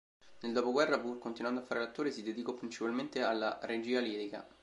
Nel dopoguerra, pur continuando a fare l'attore, si dedicò principalmente alla regia lirica.